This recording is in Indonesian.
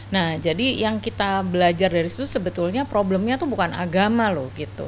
nah jadi yang kita belajar dari situ sebetulnya problemnya itu bukan agama loh gitu